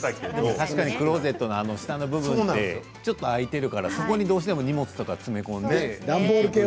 確かにクローゼットの下の部分ってちょっと空いているからどうしてもそこに荷物を詰め込んで。